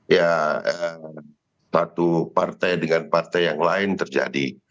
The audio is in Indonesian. ya satu partai dengan partai yang lain terjadi